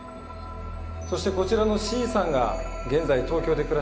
そしてこちらのＣさんが現在東京で暮らし